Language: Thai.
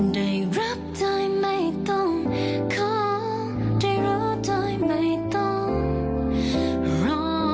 ได้รับใจไม่ต้องขอได้รู้ใจไม่ต้องรอ